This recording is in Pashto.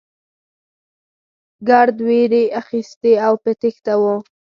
ګرد وېرې اخيستي او په تېښته وو.